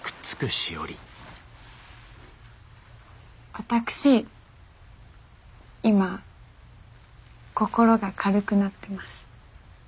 私今心が軽くなってます。